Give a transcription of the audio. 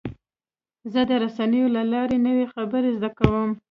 زه د رسنیو له لارې نوې خبرې زده کوم.